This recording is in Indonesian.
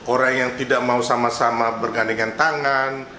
orang yang tidak mau sama sama bergandengan tangan